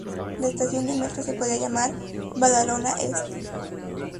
La estación de metro se podría llamar Badalona Est.